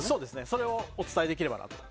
それを今日お伝えできればなと。